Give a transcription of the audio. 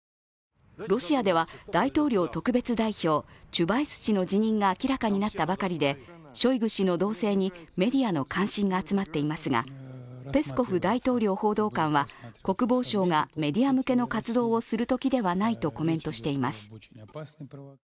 ロシアでは大統領特別代表、チュバイス氏の辞任が明らかになったばかりでショイグ氏の動静にメディアの関心が集まっていますが、ペスコフ大統領報道官は国防相がメディア向けの活動をすべきときではないとコメントしています。